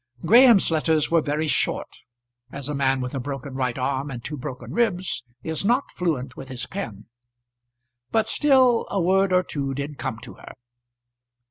Graham's letters were very short, as a man with a broken right arm and two broken ribs is not fluent with his pen. But still a word or two did come to her.